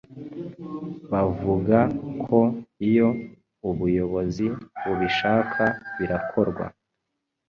bavuga ko iyo ubuyobozi bubishaka birakorwa